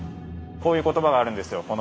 こういう言葉があるんですよ